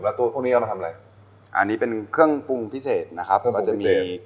แล้วตัวพวกนี้เอามาทำอะไรอันนี้เป็นเครื่องปรุงพิเศษนะครับผมก็จะมี